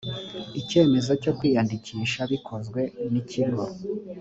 icyemezo cyo kwiyandikisha bikozwe n ikigo